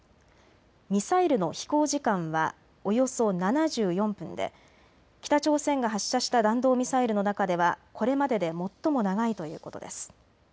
ミサイルの飛行時間はおよそ７４分で北朝鮮が発射した弾道ミサイルの中ではこれまでで最も長いということです。